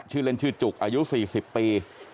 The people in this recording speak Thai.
ชื่อเล่นชื่อจุกอายุ๔๐ปี